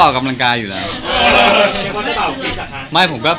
เริ่มตั้งแต่เมื่อวาลแล้วครับ